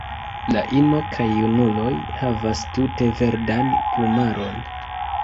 La ino kaj junuloj havas tute verdan plumaron.